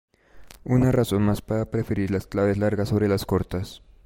Una razón más para preferir claves largas sobre las cortas.